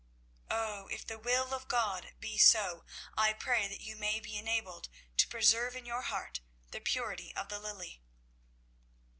Oh, if the will of God be so, I pray that you may be enabled to preserve in your heart the purity of the lily!"